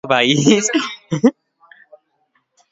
Hi ha un parc central amb wi-fi gratuït.